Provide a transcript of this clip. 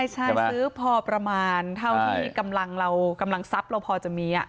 ซื้อพอประมาณเท่าที่กำลังซับเราพอจะมี